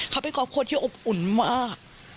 เขาเป็นครอบครัวที่อบอุ่นมาก